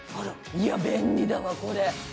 いや、便利だわ、これ。